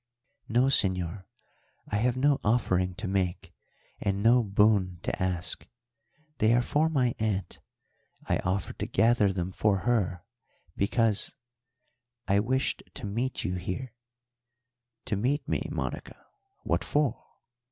"No, señor; I have no offering to make, and no boon to ask. They are for my aunt; I offered to gather them for her, because I wished to meet you here." "To meet me, Monica what for?"